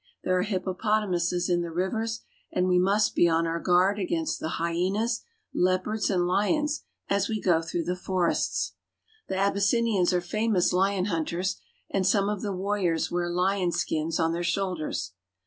There are hippopotamuses in the rivers, and we must be m our guard against the hyenas, leopards, and lions as we through the forests. The Abyssinians are famous lion hunters, and some of the warriors wear lion skins on their shoulders.